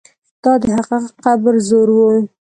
دا د هغه قبر زور وو.